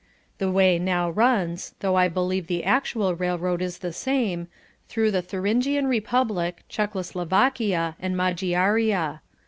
The way now runs, though I believe the actual railroad is the same, through the Thuringian Republic, Czecho Slovakia and Magyaria.